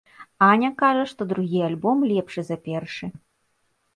Аня кажа, што другі альбом лепшы за першы.